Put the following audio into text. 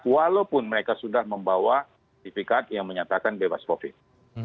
walaupun mereka sudah membawa sipikat yang menyatakan bebas covid